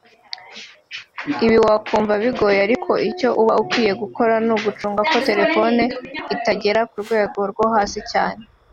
Ibi wakumva bigoye ariko icyo uba ukwiye gukora ni ugucunga ko telephone itagera ku rwego rwo hasi cyane